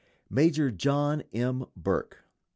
_Maj. John M. Burke.